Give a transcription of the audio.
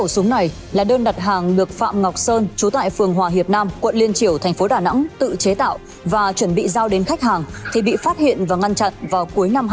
xin chào và hẹn gặp lại trong các video tiếp theo